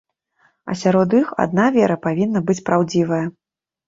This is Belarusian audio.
А сярод іх адна вера павінна быць праўдзівая.